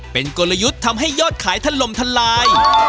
เป็นกลยุทธ์ทำให้ยอดขายถล่มทลาย